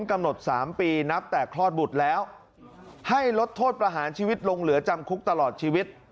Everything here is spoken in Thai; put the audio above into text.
กำหนด๓ปีนับแต่คลอดบุตรแล้วให้ลดโทษประหารชีวิตลงเหลือจำคุกตลอดชีวิต